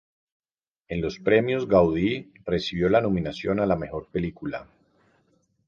En los Premios Gaudí, recibió la nominación a la Mejor Película.